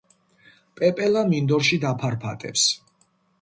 პეპელა მინდორში დაფარფატებს.